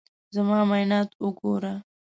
زما معاینات وګوره.